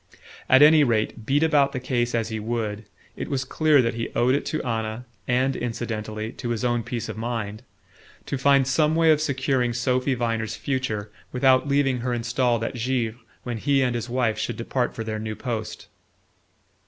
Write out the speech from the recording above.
At any rate, beat about the case as he would, it was clear that he owed it to Anna and incidentally to his own peace of mind to find some way of securing Sophy Viner's future without leaving her installed at Givre when he and his wife should depart for their new post.